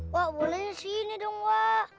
wa boleh sini dong wa